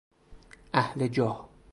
اهل جاه